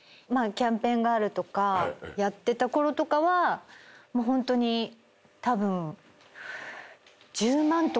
キャンペーンガールとかやってたころとかはホントにたぶん。